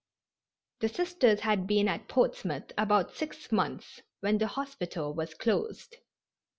The Sisters had been at Portsmouth about six months when the hospital was closed.